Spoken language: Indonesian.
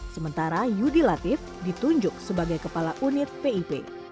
sementara yudi latif ditunjuk sebagai kepala unit pip